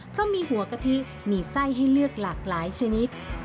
เพราะมีหัวกะทิมีไส้ให้เลือกหลากหลายชนิด